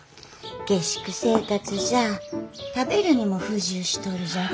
下宿生活じゃあ食べるにも不自由しとるじゃろ。